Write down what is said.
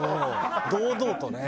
堂々とね。